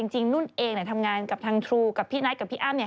นุ่นเองทำงานกับทางทรูกับพี่นัทกับพี่อ้ำเนี่ย